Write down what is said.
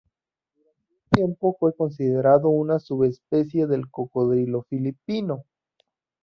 Durante un tiempo fue considerado una subespecie del cocodrilo filipino.